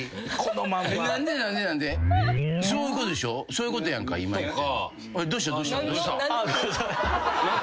そういうことやんか今言ってんの。